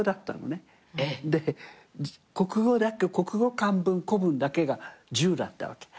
で国語だけ国語漢文古文だけが１０だったわけ。